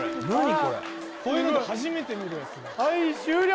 こういうので初めて見るやつはい終了！